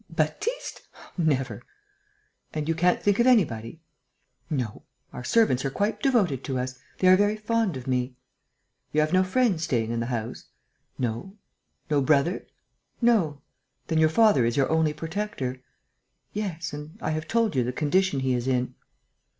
Baptiste?... Never!" "And you can't think of anybody?" "No. Our servants are quite devoted to us. They are very fond of me." "You have no friends staying in the house?" "No." "No brother?" "No." "Then your father is your only protector?" "Yes; and I have told you the condition he is in."